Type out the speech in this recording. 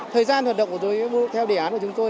thời gian hoạt động của tôi theo đề án của chúng tôi